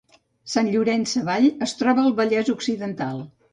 Sant Llorenç Savall es troba al Vallès Occidental